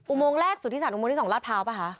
อุโมง๑หรือสุทธิสารอุโมง๒ราดเภากล่ะครับ